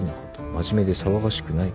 「真面目で騒がしくない方」